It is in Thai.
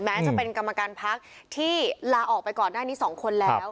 แม้จะเป็นกรรมการพักที่ลาออกไปก่อนหน้านี้๒คนแล้ว